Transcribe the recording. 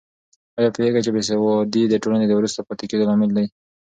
آیا پوهېږې چې بې سوادي د ټولنې د وروسته پاتې کېدو لامل ده؟